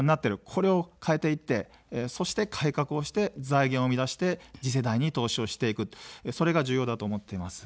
これを変えていって、そして改革をして、財源を生み出して次世代に投資をしていく、それが重要だと思っています。